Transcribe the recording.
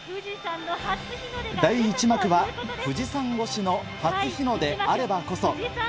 第１幕は富士山越しの初日の出あればこそ。